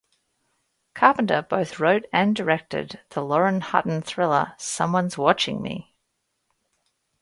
Carpenter both wrote and directed the Lauren Hutton thriller "Someone's Watching Me!".